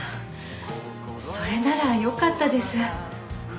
それならよかったです。